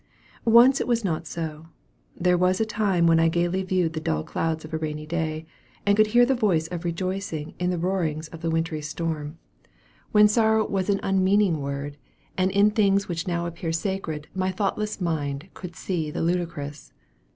Once it was not so. There was a time when I gaily viewed the dull clouds of a rainy day, and could hear the voice of rejoicing in the roarings of the wintry storm, when sorrow was an unmeaning word, and in things which now appear sacred my thoughtless mind could see the ludicrous.